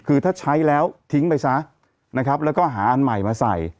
คือถ้าใช้แล้วทิ้งไปซะนะครับแล้วก็หาอันใหม่มาใส่